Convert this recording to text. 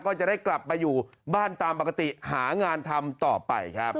ก็จะได้กลับมาอยู่บ้านตามปกติหางานทำต่อไปครับ